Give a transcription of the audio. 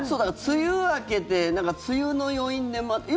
梅雨明けて梅雨の余韻で。